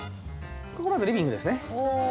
ここまずリビングですね